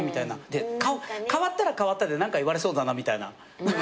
で変わったら変わったで何か言われそうだなみたいな。